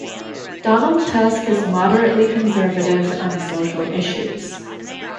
Donald Tusk is moderately conservative on social issues.